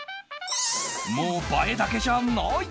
もう映えだけじゃない！